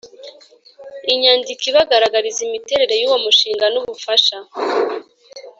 inyandiko ibagaragariza imiterere y uwo mushinga n ubufasha